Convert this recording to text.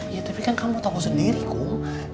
ya tapi kan kamu tahu sendiri kum